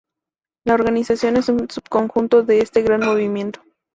La organización es un subconjunto de este gran movimiento.